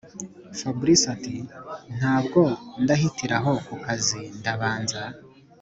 fabric ati”ntabwo ndahitira aho kukazi ndabanza